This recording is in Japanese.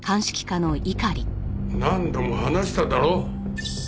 何度も話しただろ？